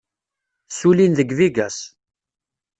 Ssullin deg Vegas.